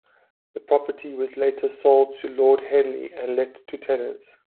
The property was later sold to Lord Henley and let to tenants.